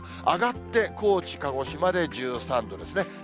上がって、高知、鹿児島で１３度ですね。